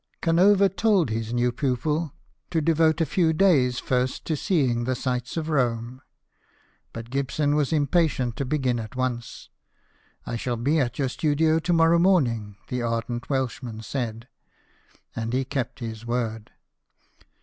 Canova told his new pupil to devote a few days first to seeing the sights of Rome ; but Gibson was impatient to begin at once. " I sha 1 be at your studio to morrow morning," the ardent Welshman said ; and he kept his word.